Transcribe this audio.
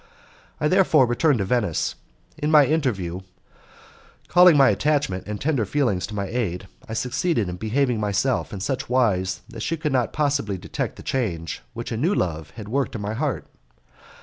I therefore returned to Venice. In my interview, calling my attachment and tender feelings to my aid, I succeeded in behaving myself in such wise that she could not possibly detect the change which a new love had worked in my heart.